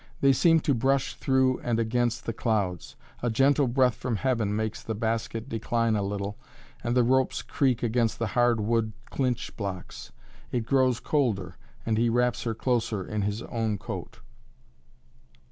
They seem to brush through and against the clouds! A gentle breath from heaven makes the basket decline a little and the ropes creak against the hardwood clinch blocks. It grows colder, and he wraps her closer in his own coat.